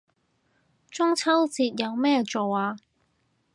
中秋節有咩做啊